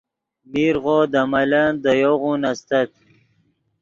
میرغو دے ملن دے یوغون استت